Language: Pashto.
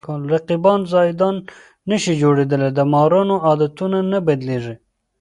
رقیبان زاهدان نشي جوړېدلی د مارانو عادتونه نه بدلېږي